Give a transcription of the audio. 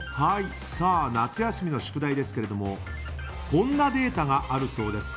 夏休みの宿題ですけどもこんなデータがあるそうです。